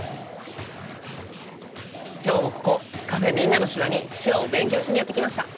今日もここカフェ「みんなの手話」に手話を勉強しにやって来ました！